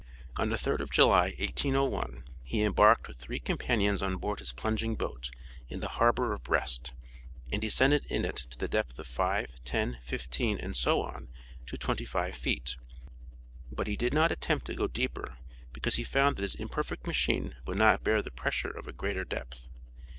On the 3rd of July, 1801, he embarked with three companions on board his plunging boat, in the harbor of Brest, and descended in it to the depth of five, ten, fifteen, and so on, to twenty five feet; but he did not attempt to go deeper because he found that his imperfect machine would not bear the pressure of a greater depth.